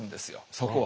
そこは。